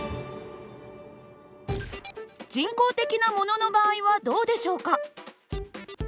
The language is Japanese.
人工的なものの場合はどうでしょうか。